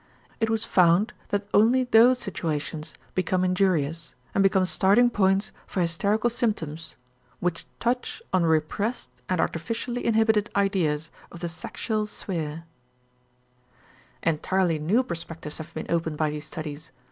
It was found that only those situations become injurious and become starting points for hysterical symptoms which touch on repressed and artificially inhibited ideas of the sexual sphere. Entirely new perspectives have been opened by these studies.